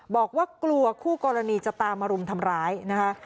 บอกว่ากลัวคู่กรณีจะตามมารุมทำร้ายนะคะ